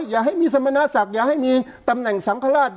อย่าให้มีสมณศักดิ์อย่าให้มีตำแหน่งสังฆราช